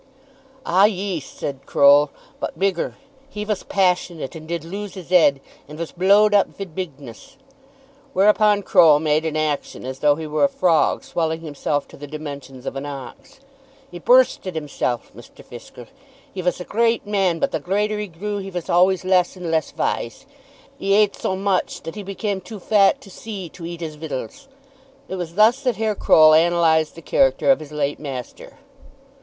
"Ah; yees," said Croll, "but bigger. He vas passionate, and did lose his 'ead; and vas blow'd up vid bigness." Whereupon Croll made an action as though he were a frog swelling himself to the dimensions of an ox. "'E bursted himself, Mr. Fisker. 'E vas a great man; but the greater he grew he vas always less and less vise. 'E ate so much that he became too fat to see to eat his vittels." It was thus that Herr Croll analyzed the character of his late master.